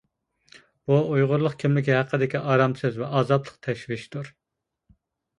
بۇ ئۇيغۇرلۇق كىملىكى ھەققىدىكى ئارامسىز ۋە ئازابلىق تەشۋىشتۇر.